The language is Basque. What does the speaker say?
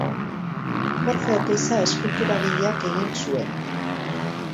Jorge Oteiza eskulturagileak egin zuen.